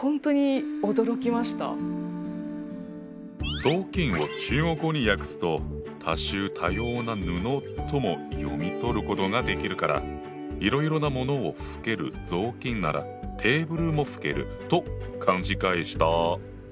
「雑巾」を中国語に訳すと「多種多様な布」とも読み取ることができるからいろいろなものを拭ける雑巾ならテーブルも拭けると勘違いした。